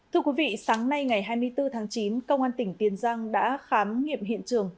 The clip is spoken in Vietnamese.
thưa quý vị sáng nay ngày hai mươi bốn tháng chín công an tỉnh tiền giang đã khám nghiệm hiện trường